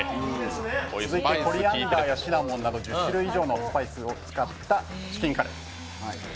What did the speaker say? コリアンダーやシナモンなど１０種類以上のスパイスを使ったチキンカレーです。